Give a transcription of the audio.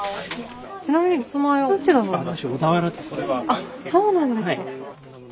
あっそうなんですか。